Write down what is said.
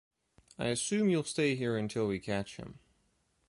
I assume you’ll stay here until we catch him.